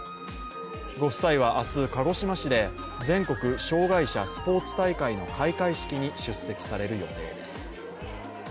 ご夫妻は明日、鹿児島市で全国障害者スポーツ大会の開会式に出席される予定です。